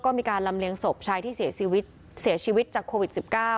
ก็มีการลำเลียงศพชายที่เสียชีวิตจากโควิด๑๙